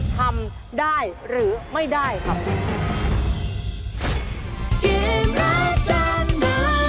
ทำได้หรือไม่ได้ครับ